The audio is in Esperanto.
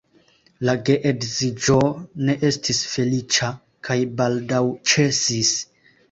La geedziĝo ne estis feliĉa kaj baldaŭ ĉesis.